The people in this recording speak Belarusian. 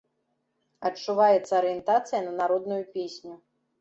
Адчуваецца арыентацыя на народную песню.